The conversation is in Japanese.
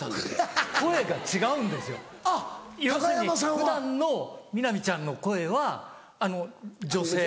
普段のみなみちゃんの声は女性の。